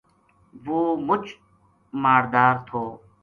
وہ مچ ماڑدار تھو